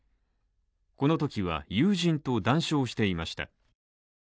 このときは友人と談笑していました。